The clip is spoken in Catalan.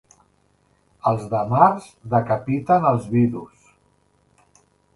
Els de març decapiten els vidus.